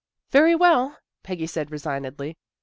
" Very well," Peggy said resignedly.